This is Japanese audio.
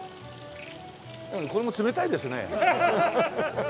これも冷たいですね。